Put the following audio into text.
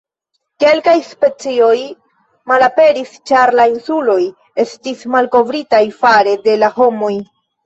Kelkaj specioj malaperis ĉar la insuloj estis malkovritaj fare de la homoj.